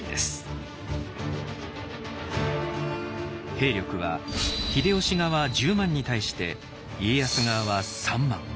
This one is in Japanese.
兵力は秀吉側１０万に対して家康側は３万。